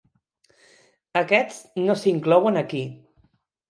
Aquests no s'inclouen aquí.